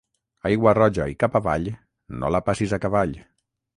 Aigua roja i cap avall, no la passis a cavall.